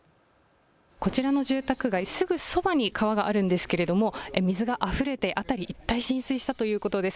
こちらの住宅街、すぐそばに川があるんですけれども水があふれて辺り一帯浸水したということです。